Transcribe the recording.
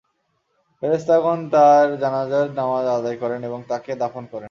ফেরেশতাগণ তাঁর জানাযার নামায আদায় করেন এবং তাঁকে দাফন করেন।